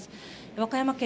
和歌山県